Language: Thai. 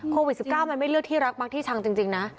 โควิด๑๙มันไม่เลือกที่รักมักที่ชังจริงนะ